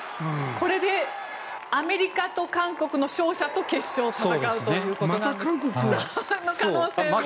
これでアメリカと韓国の勝者と決勝で戦うということになります。